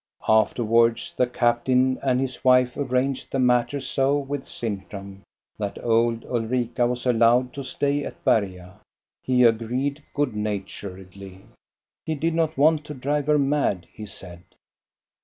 Afterwards the captain and his wife arranged the matter so with Sintram that old Ulrika was allowed to stay at Berga. He agreed good naturedly. "He did not want to drive her mad," he said.